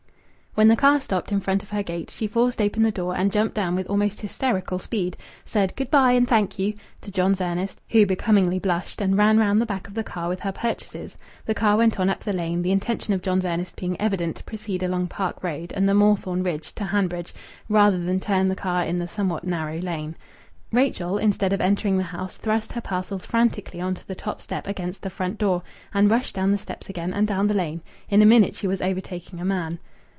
When the car stopped in front of her gate, she forced open the door and jumped down with almost hysterical speed, said "Good bye" and "Thank you" to John's Ernest, who becomingly blushed, and ran round the back of the car with her purchases. The car went on up the lane, the intention of John's Ernest being evident to proceed along Park Road and the Moorthorne ridge to Hanbridge rather than turn the car in the somewhat narrow lane. Rachel, instead of entering the house, thrust her parcels frantically on to the top step against the front door, and rushed down the steps again and down the lane. In a minute she was overtaking a man.